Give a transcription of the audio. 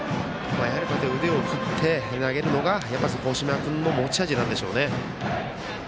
腕を振って投げるのが星山君の持ち味なんでしょうね。